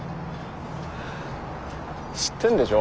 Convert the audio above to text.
知ってんでしょ？